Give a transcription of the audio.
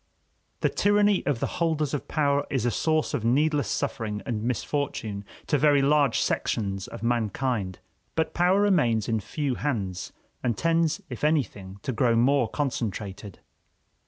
The tyranny of the holders of power is a source of needless suffering and misfortune to very large sections of mankind; but power remains in few hands, and tends, if anything, to grow more concentrated.